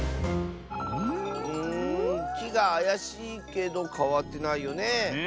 んきがあやしいけどかわってないよねえ。